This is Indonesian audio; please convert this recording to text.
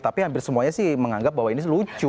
tapi hampir semuanya sih menganggap bahwa ini lucu